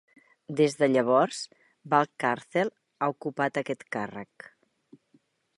Des de llavors, Valcarcel ha ocupat aquest càrrec.